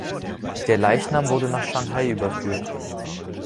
Der Leichnam wurde nach Shanghai überführt.